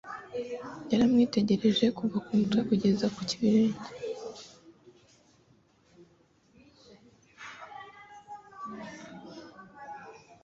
Yaramwitegereje kuva ku mutwe kugeza ku birenge.